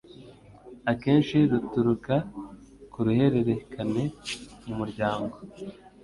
akenshi ruturuka ku ruhererekane mu muryango